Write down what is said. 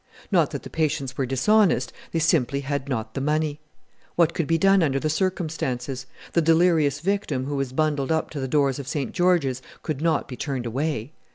Not that the patients were dishonest they simply had not the money. What could be done under the circumstances? The delirious victim who was bundled up to the doors of St. George's could not be turned away!